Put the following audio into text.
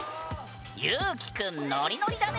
ユーキくんノリノリだね！